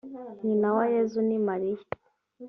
nyina wa yezu ni mariya .